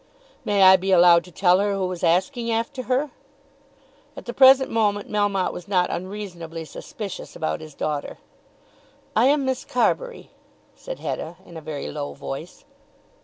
"May I be allowed to tell her who was asking after her?" At the present moment Melmotte was not unreasonably suspicious about his daughter. "I am Miss Carbury," said Hetta in a very low voice.